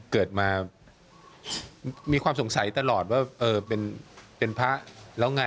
เกิดมามีความสงสัยตลอดว่าเป็นพระแล้วไง